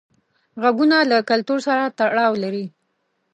غږونه له کلتور سره تړاو لري.